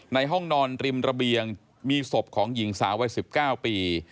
ห้องนอนริมระเบียงมีศพของหญิงสาววัย๑๙ปี